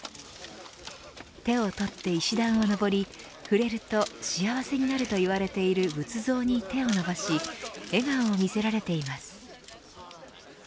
手を取って石段を上り触れると幸せになるといわれている仏像に手を伸ばし笑顔を見せられています。